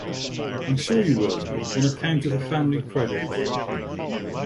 I'm sure you will, on account of the family credit.